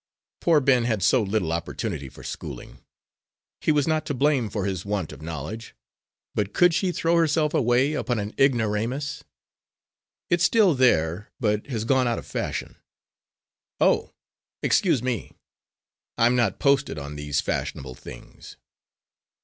Poor Ben had so little opportunity for schooling! He was not to blame for his want of knowledge; but could she throw herself away upon an ignoramus? "It's still there, but has gone out of fashion." "Oh, excuse me! I'm not posted on these fashionable things."